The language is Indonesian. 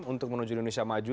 untuk menuju indonesia maju